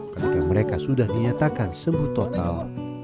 ketika mereka sudah dinyatakan sembuh total